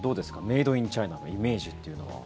メイド・イン・チャイナのイメージというのは。